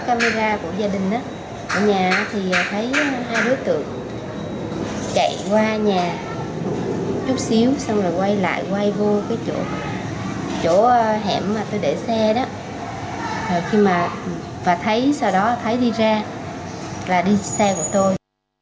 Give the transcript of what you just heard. xong rồi quay lại quay vô chỗ hẻm mà tôi để xe đó và thấy sau đó thấy đi ra là đi xe của tôi